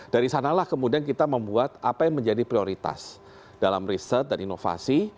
dari sanalah kemudian kita membuat apa yang menjadi prioritas dalam riset dan inovasi